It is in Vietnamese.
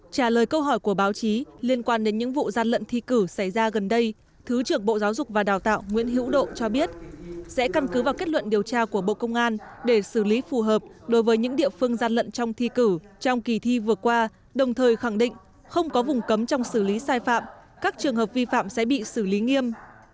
trả lời câu hỏi của báo chí liên quan đến những vụ gian lận thi cử xảy ra gần đây thứ trưởng bộ giáo dục và đào tạo nguyễn hữu độ cho biết sẽ căn cứ vào kết luận điều tra của bộ công an để xử lý phù hợp đối với những địa phương gian lận trong thi cử trong kỳ thi vừa qua đồng thời khẳng định không có vùng cấm trong xử lý sai phạm các trường hợp vi phạm sẽ bị xử lý nghiêm